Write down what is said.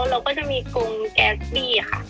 เราก็จะมีกงแก๊สบี้ค่ะ